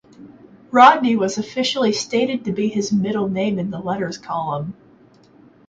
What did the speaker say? Rodney was officially stated to be his middle name in the letters column.